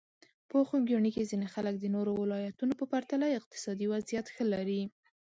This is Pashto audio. په خوږیاڼي کې ځینې خلک د نورو ولایتونو په پرتله اقتصادي وضعیت ښه لري.